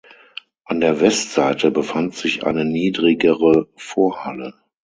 An der Westseite befand sich eine niedrigere Vorhalle.